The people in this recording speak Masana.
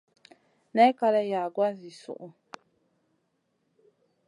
Nay kalèh yagoua zi suʼu.